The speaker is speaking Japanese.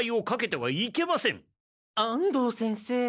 安藤先生。